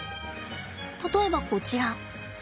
例えばこちら。